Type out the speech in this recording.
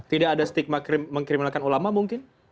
tidak ada stigma mengkriminalkan ulama mungkin